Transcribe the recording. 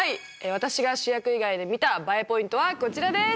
私が主役以外で見たＢＡＥポイントはこちらです！